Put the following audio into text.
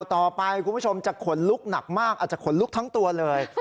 ต่อไปคุณผู้ชมจะขนลุกหนักมากอาจจะขนลุกทั้งตัวเลย